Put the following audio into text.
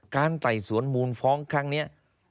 ไต่สวนมูลฟ้องครั้งนี้